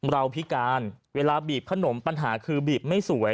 พิการเวลาบีบขนมปัญหาคือบีบไม่สวย